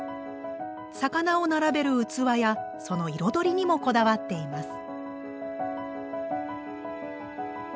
魚を並べる器やその彩りにもこだわっています。